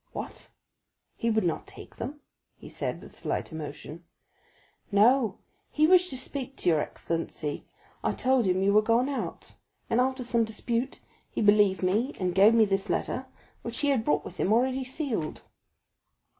"What? he would not take them?" said he with slight emotion. 40130m "No, he wished to speak to your excellency; I told him you were gone out, and after some dispute he believed me and gave me this letter, which he had brought with him already sealed."